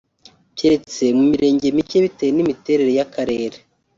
keretse mu Mirenge mike bitewe n’imiterere y’Akarere